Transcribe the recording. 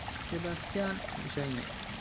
Sebastián Jaime